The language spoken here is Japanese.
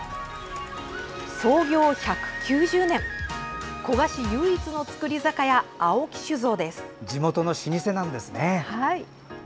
創業１９０年、古河市唯一の造り酒屋、青木酒造です。